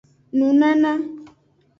Nunana.